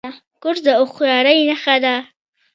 کورس د هوښیارۍ نښه ده.